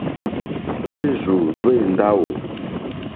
Hwérzù hwé ndáwò.